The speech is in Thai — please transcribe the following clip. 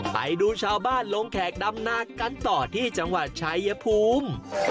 ไปดูชาวบ้านลงแขกดำนากันต่อที่จังหวัดชายภูมิ